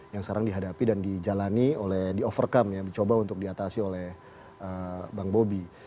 yang sekarang dihadapi dan dijalani oleh di overcome ya dicoba untuk diatasi oleh bang bobi